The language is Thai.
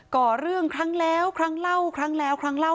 ่อเรื่องครั้งแล้วครั้งเล่าครั้งแล้วครั้งเล่า